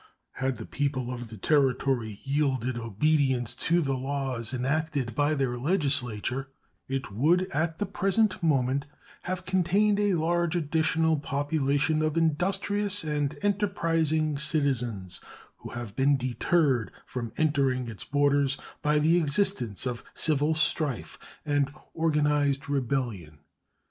Had the people of the Territory yielded obedience to the laws enacted by their legislature, it would at the present moment have contained a large additional population of industrious and enterprising citizens, who have been deterred from entering its borders by the existence of civil strife and organized rebellion.